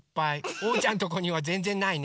おうちゃんとこにはぜんぜんないね。